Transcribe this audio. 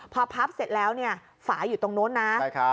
พอพับเสร็จแล้วเนี่ยฝาอยู่ตรงนู้นนะ